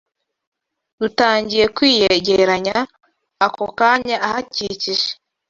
rutangiye kwiyegeranya ako kanya ahakikije